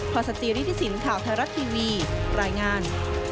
พระศจริษฐศิลป์ข่าวไทยรัฐทีวีปรายงาน